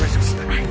はい！